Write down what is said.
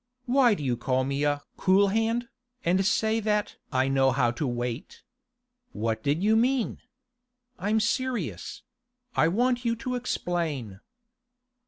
'Why do you call me a "cool hand," and say that "I know how to wait"? What did you mean? I'm serious; I want you to explain.